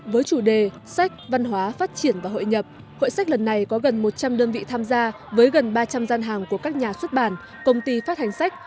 với chủ đề sách văn hóa phát triển và hội nhập hội sách lần này có gần một trăm linh đơn vị tham gia với gần ba trăm linh gian hàng của các nhà xuất bản công ty phát hành sách